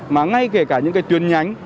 mà ngay kể cả những tuyến nhánh